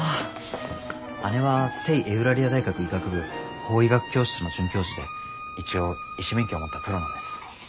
姉は聖エウラリア大学医学部法医学教室の准教授で一応医師免許を持ったプロなんです。